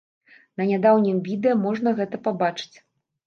На нядаўнім відэа можна гэта пабачыць.